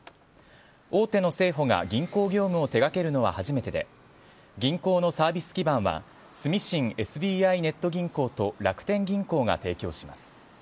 大手の生保が銀行業務を手掛けるのは初めてで銀行のサービス基盤は住信ＳＢＩネット銀行と楽天銀行が提供します。